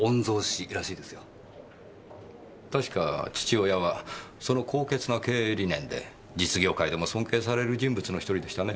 確か父親はその高潔な経営理念で実業界でも尊敬される人物の１人でしたね。